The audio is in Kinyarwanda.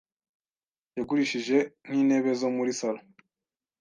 yagurishije nk’intebe zo muri Salo,